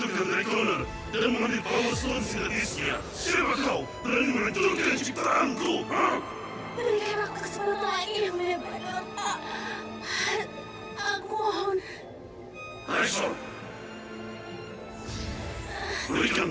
kan merindasi lo bayang